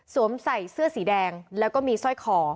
ใส่เสื้อสีแดงแล้วก็มีสร้อยคอ